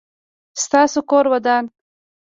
ستاسو کور ودان؟